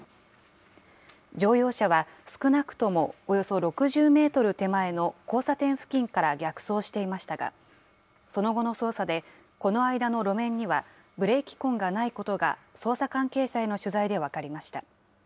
乗用車は、少なくともおよそ６０メートル手前の交差点付近から逆走していましたが、その後の捜査で、この間の路面には、ブレーキ痕がないことが捜査関係者への取材で分かりました。